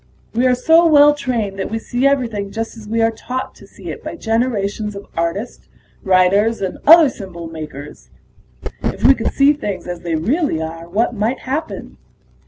We are so well trained that we see everything just as we are taught to see it by generations of artists, writers, and other symbol makers. If we could see things as they really are, what might happen?"